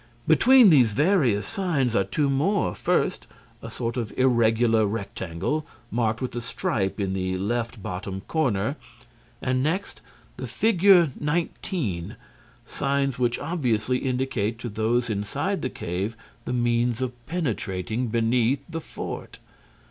Between these various signs, are two more: first, a sort of irregular rectangle, marked with a stripe in the left bottom corner, and, next, the figure 19, signs which obviously indicate to those inside the cave the means of penetrating beneath the fort.